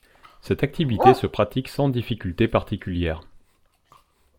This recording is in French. Cette activité se pratique sans difficultés particulières.